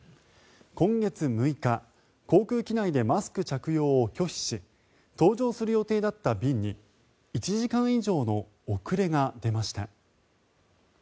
今月６日航空機内でマスク着用を拒否し搭乗する予定だった便に１時間以上の遅れが出ました。